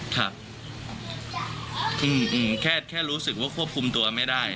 ค่ะแค่รู้สึกว่าควบคุมตัวไม่ได้